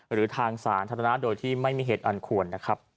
หรือทางศาลทัศนาโดยที่ไม่มีเหตุอันควร